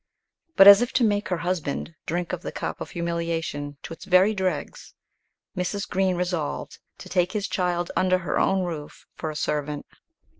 But, as if to make her husband drink of the cup of humiliation to its very dregs, Mrs. Green resolved to take his child under her own roof for a servant.